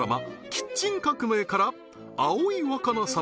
キッチン革命から葵わかな様